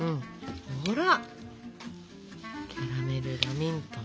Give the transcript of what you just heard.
ほらキャラメルラミントン。